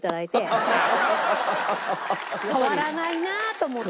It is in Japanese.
変わらないなと思って。